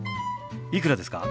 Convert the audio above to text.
いくらですか？